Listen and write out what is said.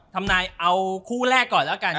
ทำนายเอาคู่แรกก่อนแล้วกัน